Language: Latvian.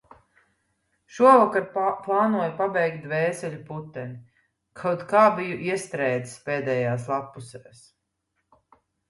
Šovakar plānoju pabeigt "Dvēseļu puteni". Kaut kā biju iestrēdzis pēdējās lappusēs.